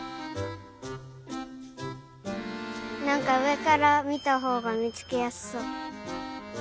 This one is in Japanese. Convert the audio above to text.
なんかうえからみたほうがみつけやすそう。